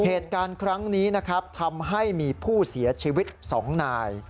เหตุการณ์ครั้งนี้นะครับทำให้มีผู้เสียชีวิต๒นาย